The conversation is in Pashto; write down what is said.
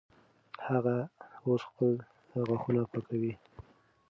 هغه اوس خپل غاښونه پاکوي.